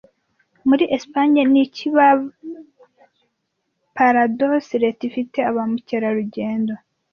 Muri Espagne ni iki ba Paradors Leta ifite ba mukerarugendo